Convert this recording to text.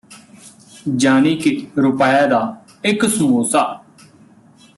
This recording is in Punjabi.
ਜਾਨੀ ਕਿ ਰੁਪੈ ਦਾ ਇਕ ਸਮੋਸਾ